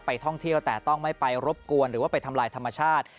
ท่องเที่ยวแต่ต้องไม่ไปรบกวนหรือว่าไปทำลายธรรมชาติ